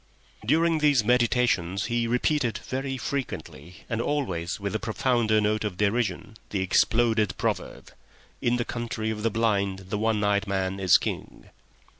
During these meditations he repeated very frequently and always with a profounder note of derision the exploded proverb: "In the Country of the Blind the One Eyed Man is King."